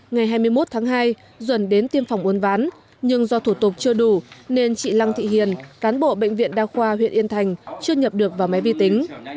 ngày hai mươi một tháng hai duẩn đến tiêm phòng uốn ván nhưng do thủ tục chưa đủ nên chị lăng thị hiền cán bộ bệnh viện đa khoa huyện yên thành chưa nhập được vào máy vi tính